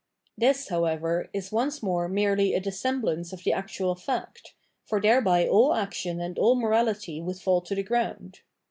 This, however, is once more merely a dissem blance of the actual fact, for thereby aU action and all morality would fall to the ground.